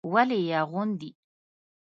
ولې يې اغوندي.